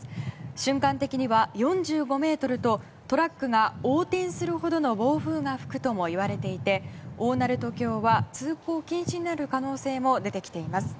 瞬間的には４５メートルとトラックが横転するほどの暴風が吹くともいわれていて大鳴門橋は通行禁止になる可能性も出てきています。